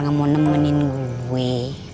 gak mau nemenin gue